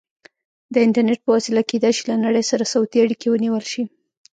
د انټرنیټ په وسیله کیدای شي له نړۍ سره صوتي اړیکې ونیول شي.